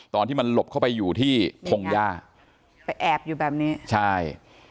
ตอนที่มันหลบเข้าไปอยู่ที่พงหญ้าไปแอบอยู่แบบนี้ใช่